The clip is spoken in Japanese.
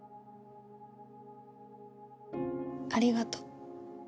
ありがとう。